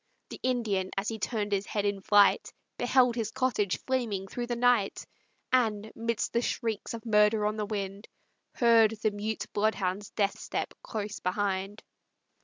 The Indian, as he turn'd his head in flight, Beheld his cottage flaming through the night, And, midst the shrieks of murder on the wind, Heard the mute bloodhound's death step close behind.